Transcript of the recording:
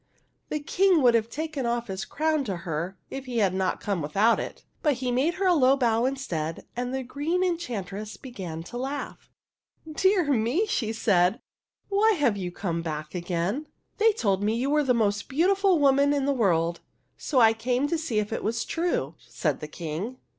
The King would have taken off his crown to her, if he had not come out without it ; but he made her a low bow instead, and the Green Enchant ress began to laugh. *' Dear me !" she said, " why have you come back again ?"" They told me you were the most beautiful woman in the world, so I came to see if it was true," said the King.